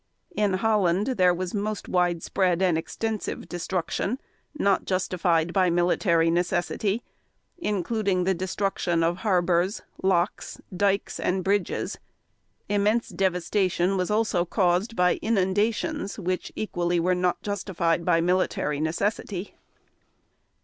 In Holland there was most widespread and extensive destruction, not justified by military necessity, including the destruction of harbors, locks, dikes, and bridges: immense devastation was also caused by inundations which equally were not justified by military necessity.